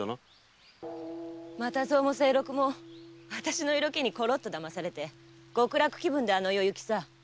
又蔵も清六もあたしの色気にコロッと騙されて極楽気分であの世いきさ。